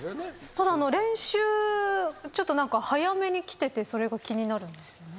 ただ練習早めに来ててそれが気になるんですよね。